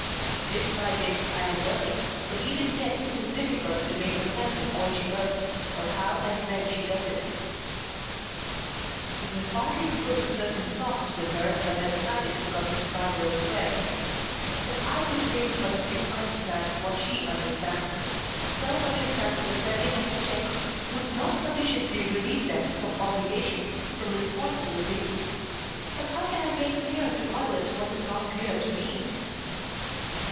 Bit by bit I am learning, but even yet it is difficult to make her tell me all she does, or how and when she does it. It was partly because of certain talks with her that I decided to come to Scarborough Square. If I could make but a few understand what she understands so understand that the sending of a check would not sufficiently relieve them from obligation, from responsibility. But how can I make clear to others what is not clear to me?